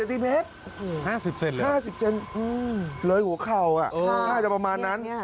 ๕๐เซ็นติเหรอครับ๕๐เจนติเหลยหัวเข่าถ้าจะประมาณนั้น